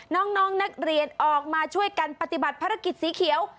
น้องนักเรียนออกมาช่วยกันปฏิบัติภารกิจสีเขียว